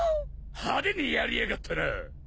派手にやりやがったな！